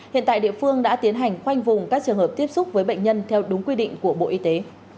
hiện tại địa phương đã tiến hành khoanh vùng các trường hợp tiếp xúc với bệnh nhân theo đúng quy định của bộ y tế